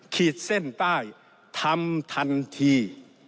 ขีดเส้นใต้ทำทันที